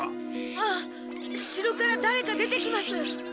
あっ城からだれか出てきます！